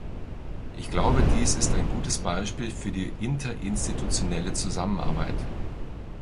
Ich glaube, dies ist ein gutes Beispiel für die interinstitutionelle Zusammenarbeit.